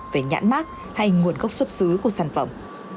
về nhãn mát hay nguồn gốc xuất xứ của sản phẩm